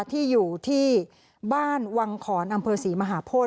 ที่อยู่ที่บ้านวังขอนอำเภอศรีมหาโพธิ